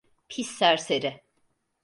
Pis serseri!